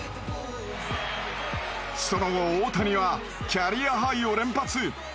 その後大谷はキャリアハイを連発。